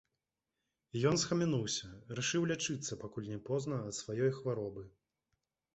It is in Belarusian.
І ён схамянуўся, рашыў лячыцца, пакуль не позна, ад сваёй хваробы.